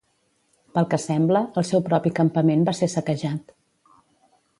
Pel que sembla, el seu propi campament va ser saquejat.